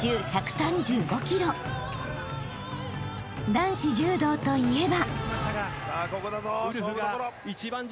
［男子柔道といえば］